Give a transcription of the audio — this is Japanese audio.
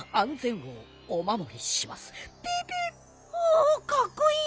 おかっこいい！